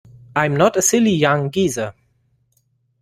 I'm not a silly young geezer.